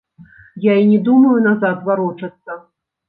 Я і не думаю назад варочацца.